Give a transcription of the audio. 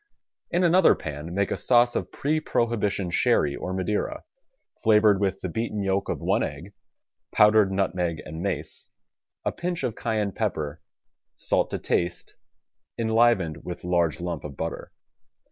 In another pan make a sauce of pre Prohibition Sherry or Madeira, flavored with the beaten yolk of one egg, powdered nutmeg and mace, a pinch of Cayenne pepper, salt to taste, enlivened with large lump of butter.